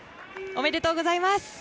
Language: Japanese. おめでとうございます。